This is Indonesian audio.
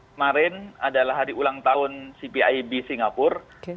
kemarin adalah hari ulang tahun cpib singapura